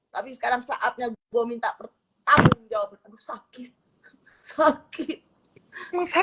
tapi sekarang saatnya gue minta pertanyaan jawabannya sakit